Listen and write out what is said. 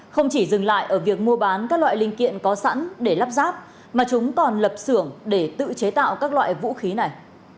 không chỉ dừng lại ở việc mua bán các loại linh kiện có sẵn để lắp ráp mà chúng còn lập xưởng để tự chế tạo các loại vũ khí này